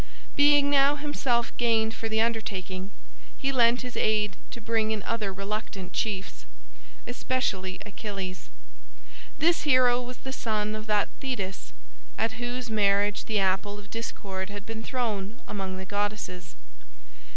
Being now himself gained for the undertaking, he lent his aid to bring in other reluctant chiefs, especially Achilles. This hero was the son of that Thetis at whose marriage the apple of Discord had been thrown among the goddesses.